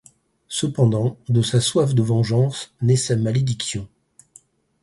Cependant, de sa soif de vengeance, naît sa malédiction.